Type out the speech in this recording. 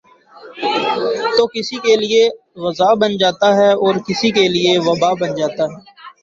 تو کسی کیلئے غذا بن جاتا ہے اور کسی کیلئے وباء بن جاتا ہے ۔